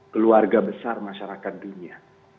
keluarga besar masyarakat dunia